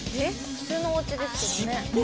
普通のおうちですけどね。